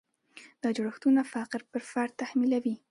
دا جوړښتونه فقر پر فرد تحمیلوي.